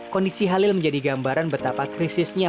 kondisi halil menjadi gambaran betapa krisisnya